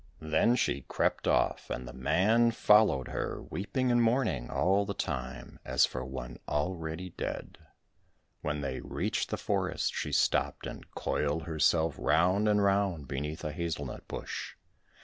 Then she crept off, and the man followed her, weeping and mourning all the time as for one already dead. When they reached the forest she stopped and coiled herself round and round beneath a hazel nut bush.